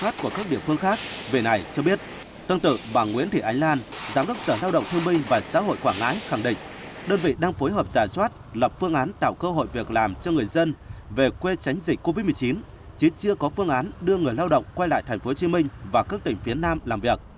tương tự bà nguyễn thị ánh lan giám đốc sở lao động thương minh và xã hội quảng ngãi khẳng định đơn vị đang phối hợp giả soát lập phương án tạo cơ hội việc làm cho người dân về quê tránh dịch covid một mươi chín chứ chưa có phương án đưa người lao động quay lại tp hcm và các tỉnh phía nam làm việc